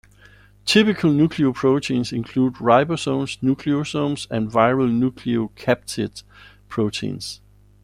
Typical nucleoproteines include ribosomes, nucleosomes, and viral nucleocapsid proteins.